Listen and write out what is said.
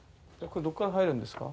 これどっから入るんですか？